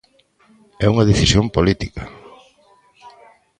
¡É unha decisión política!